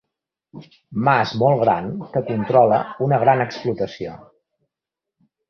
Mas molt gran que controla una gran explotació.